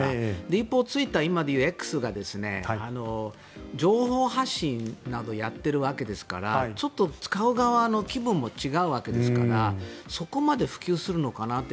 一方、ツイッター今で言うＸが情報発信などをやっているわけですからちょっと使う側の気分も違うわけですからそこまで普及するのかなって。